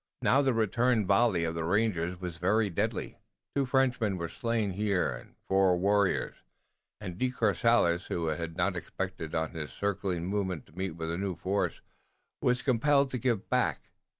Now the return volley of the rangers was very deadly. Two Frenchmen were slain here and four warriors, and De Courcelles, who had not expected on his circling movement to meet with a new force, was compelled to give back.